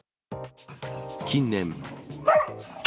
近年。